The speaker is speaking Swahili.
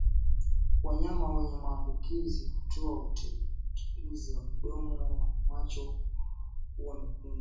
Wanyama wenye maambukizi hutoa uteute wa mdomo na macho kuwa mekundu